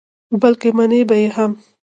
بلکې منې به یې هم.